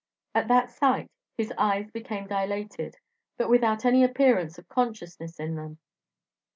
At that sight, his eyes became dilated, but without any appearance of consciousness in them.